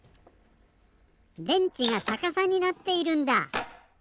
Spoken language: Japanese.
電池がさかさになっているんだ。